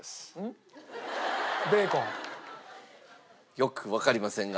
よくわかりませんが。